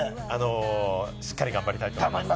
しっかりやりたいと思います。